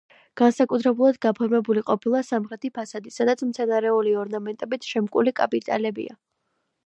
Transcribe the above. განსაკუთრებულად გაფორმებული ყოფილა სამხრეთი ფასადი, სადაც მცენარეული ორნამენტებით შემკული კაპიტელებია.